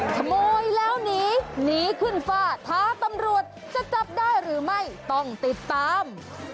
ขโมยแล้วหนีหนีขึ้นฝ้าท้าตำรวจจะจับได้หรือไม่ต้องติดตาม